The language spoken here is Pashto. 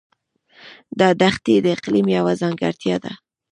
دا دښتې د اقلیم یوه ځانګړتیا ده.